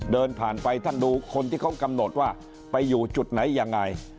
เดินผ่านไปท่านดูคนที่เขากำหนดว่าไปอยู่จุดไหนยังไง